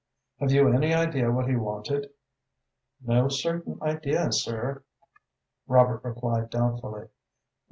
"Have you any idea what he wanted?" "No certain idea, sir," Robert replied doubtfully.